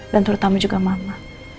dan terutama juga mama